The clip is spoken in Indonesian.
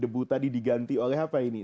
debu tadi diganti oleh apa ini